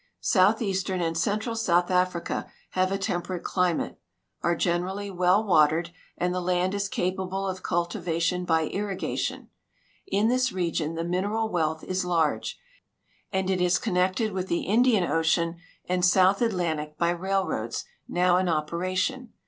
Southeastern and central South Africa have a temperate climate, are generally well watered, and the land is capable of cultiva tion b}' irrigation. In this region the mineral wealth is large, and it is connected with the Indian ocean and South Atlantic by railroads now in operation.